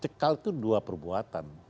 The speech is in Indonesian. cekal itu dua perbuatan